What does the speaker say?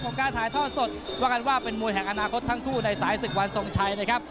การถ่ายทอดสดว่ากันว่าเป็นมวยแห่งอนาคตทั้งคู่ในสายศึกวันทรงชัยนะครับ